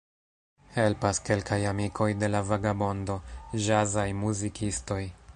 Helpas kelkaj amikoj de la vagabondo, ĵazaj muzikistoj.